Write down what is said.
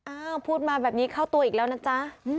อ้าวพูดมาแบบนี้เข้าตัวอีกแล้วนะจ๊ะ